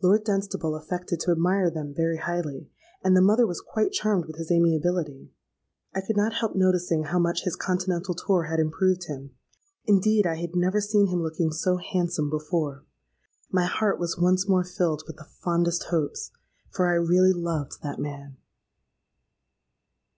Lord Dunstable affected to admire them very highly; and the mother was quite charmed with his amiability. I could not help noticing how much his continental tour had improved him; indeed, I had never seen him looking so handsome before: my heart was once more filled with the fondest hopes;—for I really loved that man.